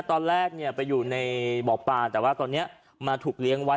ตอนแรกไปอยู่ในบ่อปลาแต่ว่าตอนนี้มาถูกเลี้ยงไว้